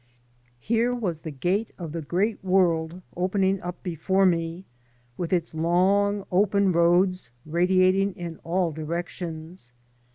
Here was the gate of the great world opening up before me, with its long open roads radiating in all directions.